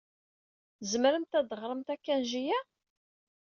Tzemremt ad teɣremt akanji-a?